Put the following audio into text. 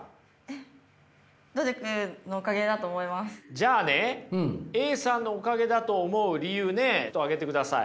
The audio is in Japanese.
じゃあねＡさんのおかげだと思う理由ねちょっと挙げてください。